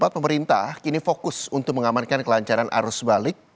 pemerintah kini fokus untuk mengamankan kelancaran arus balik